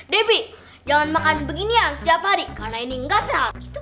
debbie jangan makan beginian setiap hari karena ini nggak sehat